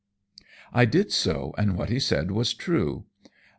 I did so, and what he said was true.